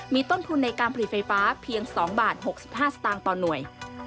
มีต้นทุนในการผลิตไฟฟ้าเพียง๒บาท๖๕สตางค์ต่อหน่วย